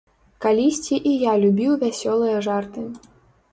Калісьці і я любіў вясёлыя жарты.